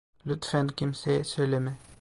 Lütfen kimseye söyleme.